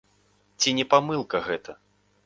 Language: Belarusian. Ці не памылка гэта?